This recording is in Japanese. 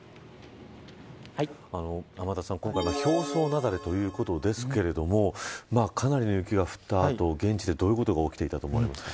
天達さん、今回表層雪崩ということですけれどもかなりの雪が降った後現地で、どういうことが起きていたと思いますか。